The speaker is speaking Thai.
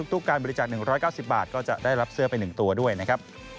ทุกการบริจาค๑๙๐บาทก็จะได้รับเสื้อไป๑ตัวด้วยนะครับ